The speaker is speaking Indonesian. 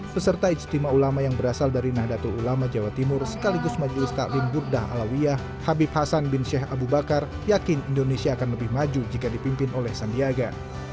peserta ijtima ulama yang berasal dari nahdlatul ulama jawa timur sekaligus majelis taklim burdah alawiyah habib hasan bin sheikh abu bakar yakin indonesia akan lebih maju jika dipimpin oleh sandiaga